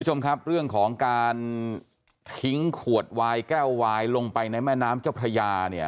คุณผู้ชมครับเรื่องของการทิ้งขวดไวน์แก้วไวน์ลงไปในมะน้ำเจ้าพระยา